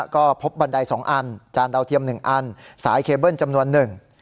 ก็พบบันไดสองอันจานดาวเทียม๑อันสายเคเบิ้ลจำนวนหนึ่ง